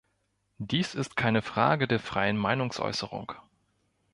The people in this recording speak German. Dies ist keine Frage der freien Meinungsäußerung.